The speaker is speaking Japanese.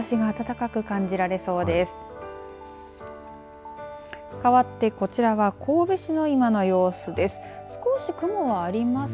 かわって、こちらは神戸市の今の様子です。